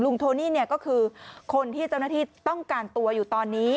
โทนี่ก็คือคนที่เจ้าหน้าที่ต้องการตัวอยู่ตอนนี้